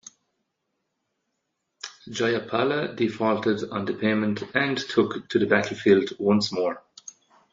Jayapala defaulted on the payment and took to the battlefield once more.